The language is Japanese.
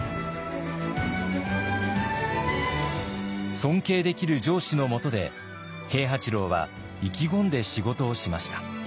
尊敬できる上司のもとで平八郎は意気込んで仕事をしました。